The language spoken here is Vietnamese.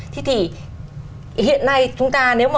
thì hiện nay chúng ta nếu mà